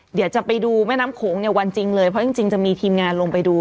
เดี๋ยวจะไปดูแม่น้ำโขงเนี่ยวันจริงเลยเพราะจริงจะมีทีมงานลงไปดู